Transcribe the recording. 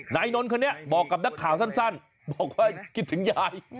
นายนนท์คนนี้บอกกับนักข่าวสั้นบอกว่าคิดถึงยาย